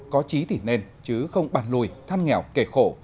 có trí thì nên chứ không bàn lùi than nghèo kề khổ